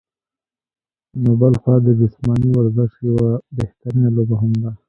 نو بلخوا د جسماني ورزش يوه بهترينه لوبه هم ده